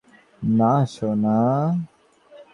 না, সোনা।